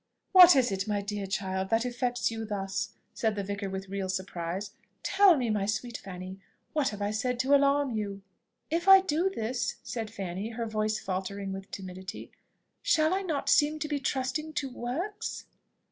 "What is it, my dear child, that affects you thus?" said the vicar with real surprise; "tell me, my sweet Fanny, what I have said to alarm you?" "If I do this," said Fanny, her voice faltering with timidity, "shall I not seem to be trusting to works?"